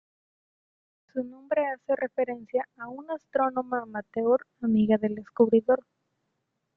Su nombre hace referencia a una astrónoma amateur amiga del descubridor.